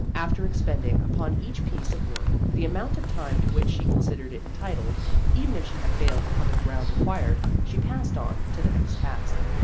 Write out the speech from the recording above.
After expending upon each piece of work the amount of time to which she con sidered it entitled, even if she had failed to cover the ground required, she passed on to the next task.